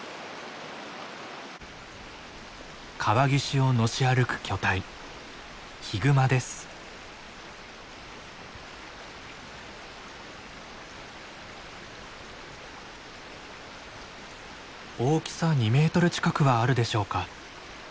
川岸をのし歩く巨体大きさ２メートル近くはあるでしょうか。